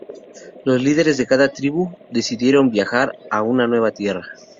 Las líderes de cada tribu decidieron viajar a una nueva tierra.